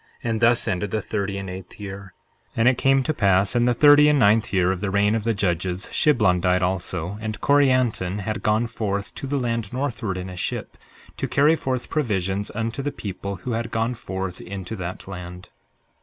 And thus ended the thirty and eighth year. 63:10 And it came to pass in the thirty and ninth year of the reign of the judges, Shiblon died also, and Corianton had gone forth to the land northward in a ship, to carry forth provisions unto the people who had gone forth into that land.